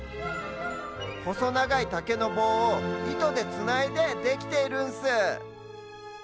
ほそながいたけのぼうをいとでつないでできているんス。